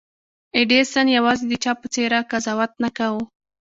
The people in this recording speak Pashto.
ايډېسن يوازې د چا په څېره قضاوت نه کاوه.